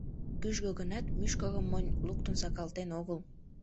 Кӱжгӧ гынат, мӱшкырым монь луктын сакалтен огыл.